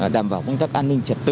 đảm bảo công tác an ninh trật tự